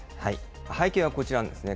背景はこちらなんですね。